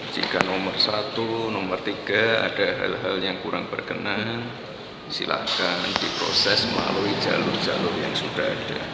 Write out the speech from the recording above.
jika nomor satu nomor tiga ada hal hal yang kurang berkenan silahkan diproses melalui jalur jalur yang sudah ada